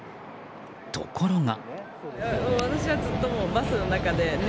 ところが。